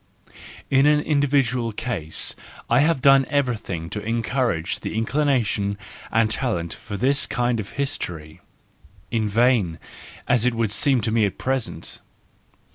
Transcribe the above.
In an individual case, I have done everything to encourage the inclination and talent for this kind of history— in vain, as it would seem to me at present.